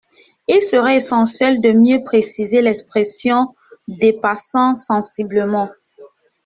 Il serait essentiel de mieux préciser l’expression « dépassant sensiblement ».